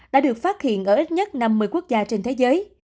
đã được phát hiện ở ít nhất năm mươi quốc gia trên thế giới